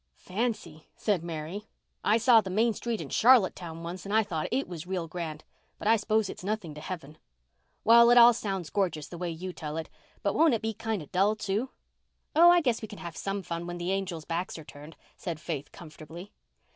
"Fancy!" said Mary. "I saw the main street in Charlottetown once and I thought it was real grand, but I s'pose it's nothing to heaven. Well, it all sounds gorgeous the way you tell it, but won't it be kind of dull, too?" "Oh, I guess we can have some fun when the angels' backs are turned," said Faith comfortably.